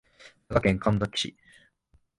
佐賀県神埼市